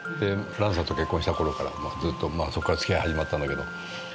蘭さんと結婚したころからずっとまあそこから付き合い始まったんだけど。